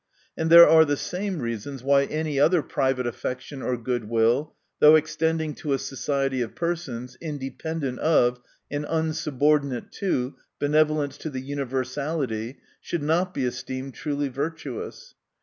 And there are the same reasons, why any other private affection or good will, though extending to a society of persons, independent of, and unsubordinate to, benevolence to the universality, should not be esteemed truly virtuous.